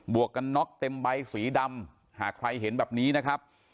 วกกันน็อกเต็มใบสีดำหากใครเห็นแบบนี้นะครับ